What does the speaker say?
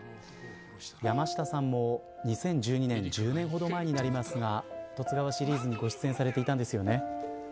山下さんも２０１２年に１０年ほど前になりますが十津川シリーズにご出演されていたんですね。